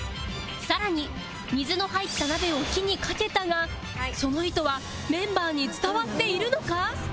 更に水の入った鍋を火にかけたがその意図はメンバーに伝わっているのか？